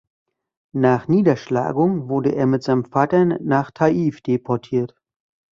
Nach Niederschlagung wurde er mit seinem Vater nach Ta'if deportiert.